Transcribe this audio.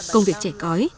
công việc chẻ cõi